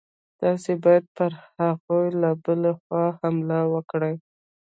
تاسي باید پر هغوی له بلې خوا حمله وکړئ.